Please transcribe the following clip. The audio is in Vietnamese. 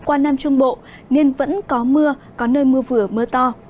qua nam trung bộ nên vẫn có mưa có nơi mưa vừa mưa to